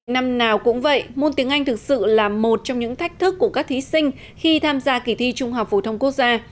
năm nào cũng vậy môn tiếng anh thực sự là một trong những thách thức của các thí sinh khi tham gia kỳ thi trung học phổ thông quốc gia